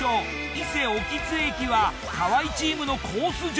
伊勢奥津駅は河合チームのコース上。